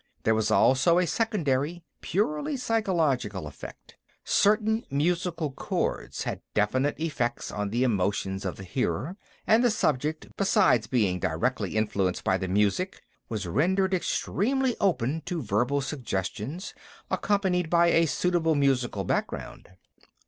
There was also a secondary, purely psychological, effect. Certain musical chords had definite effects on the emotions of the hearer, and the subject, beside being directly influenced by the music, was rendered extremely open to verbal suggestions accompanied by a suitable musical background.